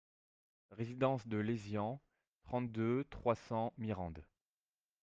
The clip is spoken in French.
Résidence de Lézian, trente-deux, trois cents Mirande